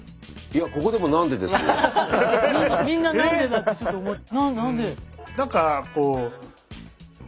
みんな何でだってちょっと何で。